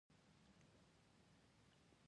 څو میاشتې کیږي؟